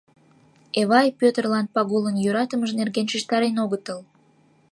Эвай Пӧтырлан Пагулын йӧратымыж нерген шижтарен огытыл.